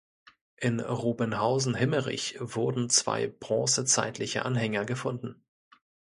In Robenhausen-Himmerich wurden zwei bronzezeitliche Anhänger gefunden.